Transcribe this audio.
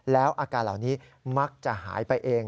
แล้วอาการเหล่านี้มักจะหายไปเอง